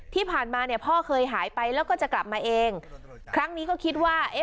ที่ผ่านมาเนี่ยพ่อเคยหายไปแล้วก็จะกลับมาเองครั้งนี้ก็คิดว่าเอ๊ะ